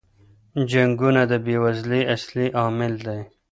جنګونه د بې وزلۍ اصلی عامل دي.